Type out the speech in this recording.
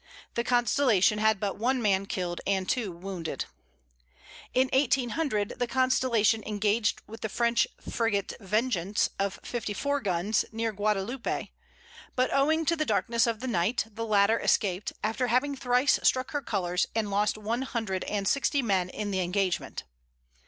The Constellation had but one man killed and two wounded. In 1800, the Constellation engaged with the French frigate Vengeance of fifty four guns, near Guadaloupe; but owing to the darkness of the night the latter escaped, after having thrice struck her colors and lost one hundred and sixty men in the engagement.